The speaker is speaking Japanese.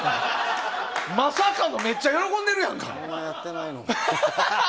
まさかのめっちゃ喜んでるやんか！